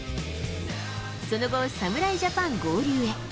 その後、侍ジャパン合流へ。